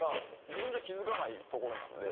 自分じゃ気付かないところなので。